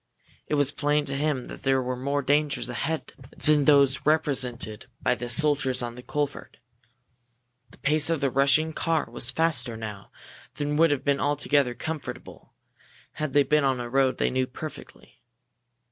It was plain to him that there were more dangers ahead than those represented by the soldiers on the culvert. The pace of the rushing car was faster now than would have been altogether comfortable had they been on a road they knew perfectly.